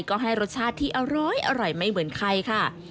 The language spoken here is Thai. ก็ให้รสชาติที่อร้อยไม่เหมือนใครค่ะ